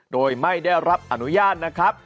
โดยไม่ได้รับอนุญาตนะครับ